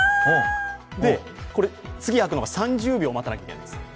で、次開くのは３０秒待たなきゃいけない。